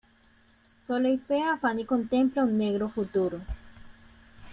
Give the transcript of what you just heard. Sola y fea, Fanny contempla un negro futuro.